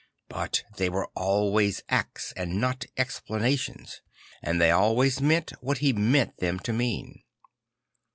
But they \vere always acts and not explanations; and they always meant what he meant them to mean.